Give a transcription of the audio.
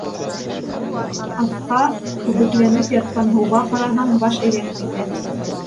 Аҫҡа, күбекләнеп ятҡан һыуға, ҡараһаң, баш әйләнеп китә.